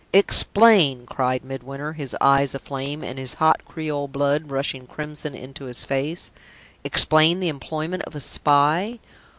"Explain!" cried Midwinter, his eyes aflame, and his hot Creole blood rushing crimson into his face. "Explain the employment of a spy?